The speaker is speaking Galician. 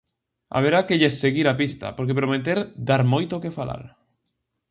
Haberá que lles seguir a pista, porque prometer dar moito que falar.